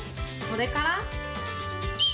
それから。